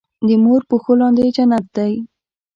دې مور پښو لاندې جنت دی